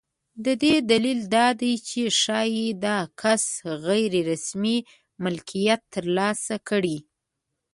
د دې دلیل دا دی چې ښایي دا کس غیر رسمي مالکیت ترلاسه کړي.